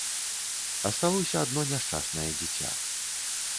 Асталося адно няшчаснае дзіця.